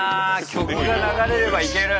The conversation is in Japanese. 「曲が流れればいける」。